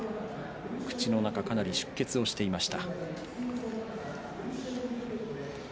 口の中かなり出血をしていました。